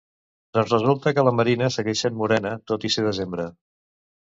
Doncs resulta que la Marina segueix morena, tot i ser desembre.